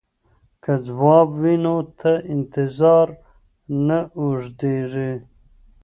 که ځواب وي نو انتظار نه اوږدیږي.